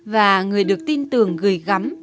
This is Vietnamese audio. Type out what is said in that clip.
và người được tin tưởng gửi gắm